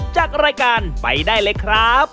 จากรายการไปได้เลยครับ